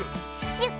シュッ！